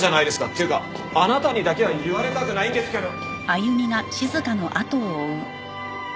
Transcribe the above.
っていうかあなたにだけは言われたくないんですけど！